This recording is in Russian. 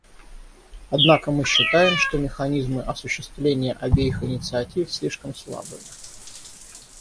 Однако мы считаем, что механизмы осуществления обеих инициатив слишком слабые.